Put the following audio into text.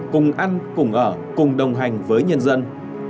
cùng ăn cùng ở cùng đồng hành với nhân dân